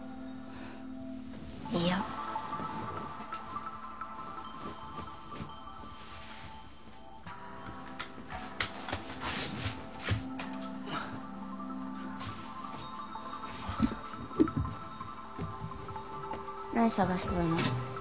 いいよ何探しとるの？